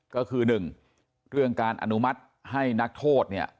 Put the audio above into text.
ก็คือหนึ่งเรื่องการอนุมัติให้นักโทษเนี่ย